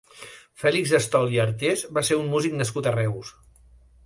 Fèlix Astol i Artés va ser un músic nascut a Reus.